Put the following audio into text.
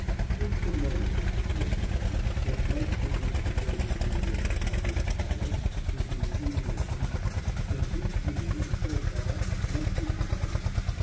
"If the motive," he opined, "that might produce the greatest number of the happiest cattle would be the eating of beef, then beef eating, so far, must be commended.